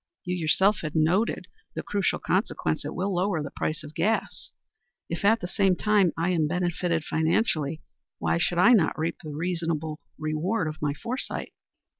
You yourself have noted the crucial consequence: It will lower the price of gas. If at the same time I am benefited financially, why should I not reap the reasonable reward of my foresight?"